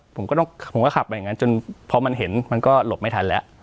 ผมก็ต้องผมก็ขับไปอย่างนั้นจนพอมันเห็นมันก็หลบไม่ทันแล้ว